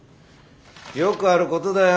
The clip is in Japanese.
よくあることだよ。